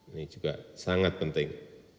ini juga sangat penting